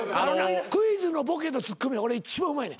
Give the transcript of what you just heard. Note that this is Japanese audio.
クイズのボケとツッコミ俺一番うまい。